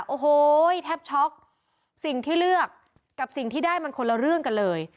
โอ้โหแทบช็อกสิ่งที่เลือกกับสิ่งที่ได้มันคนละเรื่องกันเลย